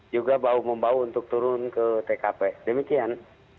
juga bau membau untuk turun ke tkp demikian